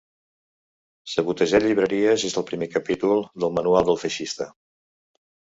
Sabotejar llibreries és al primer capítol del manual del feixista.